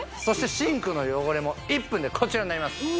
そしてシンクの汚れも１分でこちらになります